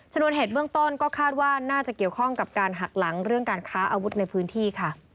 นวนเหตุเบื้องต้นก็คาดว่าน่าจะเกี่ยวข้องกับการหักหลังเรื่องการค้าอาวุธในพื้นที่ค่ะ